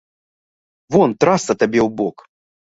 Вон, трасца табе ў бок!